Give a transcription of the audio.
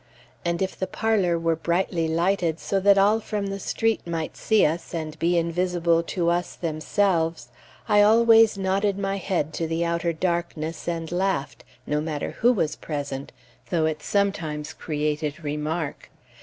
_" and if the parlor were brightly lighted so that all from the street might see us, and be invisible to us themselves, I always nodded my head to the outer darkness and laughed, no matter who was present, though it sometimes created remark.